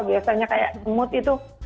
biasanya seperti semut itu